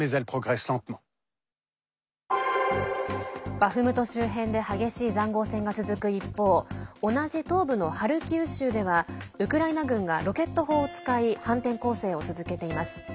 バフムト周辺で激しいざんごう戦が続く一方同じ東部のハルキウ州ではウクライナ軍がロケット砲を使い反転攻勢を続けています。